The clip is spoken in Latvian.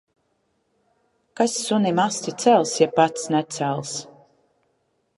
Kas sunim asti cels, ja pats necels.